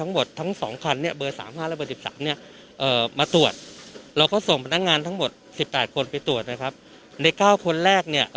ใน๙คนแรกเนี่ย